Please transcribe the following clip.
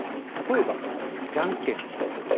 例えば、じゃんけんすると。